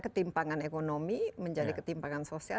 ketimpangan ekonomi menjadi ketimpangan sosial